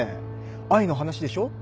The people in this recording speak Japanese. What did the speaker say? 愛の話でしょ？